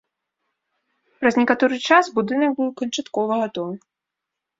Праз некаторы час будынак быў канчаткова гатовы.